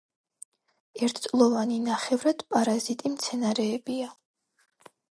ერთწლოვანი, ნახევრად პარაზიტი მცენარეებია.